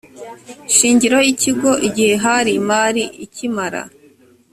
shingiro y ikigo igihe hari imari ikimara